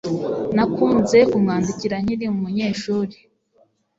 Nakunze kumwandikira nkiri umunyeshuri